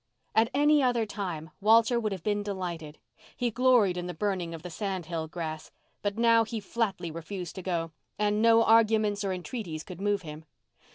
At any other time Walter would have been delighted. He gloried in the burning of the sand hill grass. But now he flatly refused to go, and no arguments or entreaties could move him.